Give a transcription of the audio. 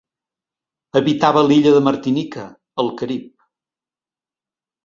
Habitava l'illa de Martinica, al Carib.